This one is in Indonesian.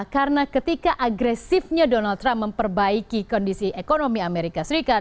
karena ketika agresifnya donald trump memperbaiki kondisi ekonomi amerika serikat